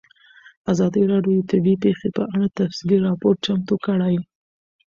ازادي راډیو د طبیعي پېښې په اړه تفصیلي راپور چمتو کړی.